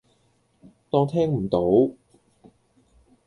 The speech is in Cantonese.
當聽唔到